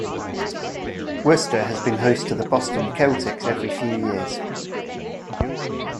Worcester has been host to the Boston Celtics every few years.